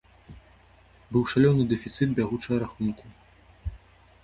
Быў шалёны дэфіцыт бягучага рахунку.